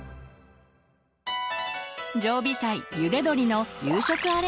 常備菜「ゆで鶏」の夕食アレンジ！